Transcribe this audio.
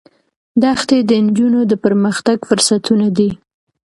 دښتې د نجونو د پرمختګ فرصتونه دي.